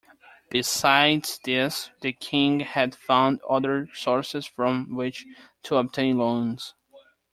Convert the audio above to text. Besides this, the king had found other sources from which to obtain loans.